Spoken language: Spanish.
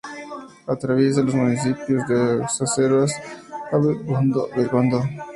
Atraviesa los municipios de Oza-Cesuras, Abegondo, Bergondo, Cambre, Culleredo y Oleiros.